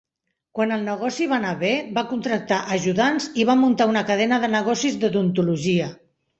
Quan el negoci va anar bé, va contractar ajudants i va muntar una cadena de negocis d'odontologia.